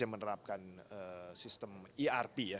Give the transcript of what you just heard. yang menerapkan sistem erp ya